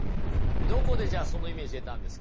どこでじゃあそのイメージ得たんですか？